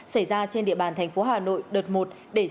xảy ra trên địa bàn thành phố hà nội đợt một để sử dụng